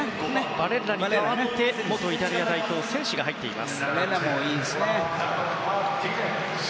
バレッラに代わって元イタリア代表のセンシが入っています。